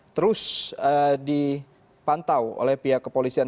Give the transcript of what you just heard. terus dipantau oleh pihak kepolisian